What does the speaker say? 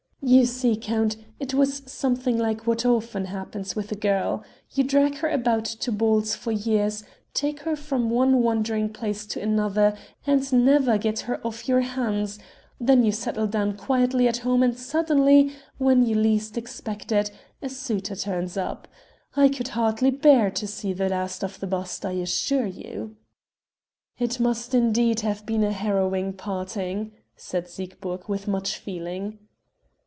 "You see, count, it was something like what often happens with a girl: you drag her about to balls for years, take her from one watering place to another, and never get her off your hands; then you settle down quietly at home and suddenly, when you least expect it, a suitor turns up. I could hardly bear to see the last of the bust I assure you." "It must indeed have been a harrowing parting," said Siegburg with much feeling.